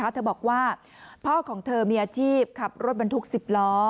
เธอบอกว่าพ่อของเธอมีอาชีพขับรถบรรทุก๑๐ล้อ